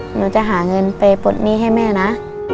หนูจะหาเงินไปปลดหนี้ให้แม่นะ